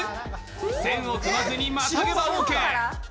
線をふまずにまたげばオッケー。